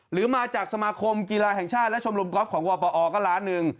หรือมาจากสมาคมกีฬาแห่งชาติและชมรมกอล์ฟของวปอก็ล้านหนึ่ง